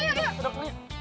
ambo duluan dulu aja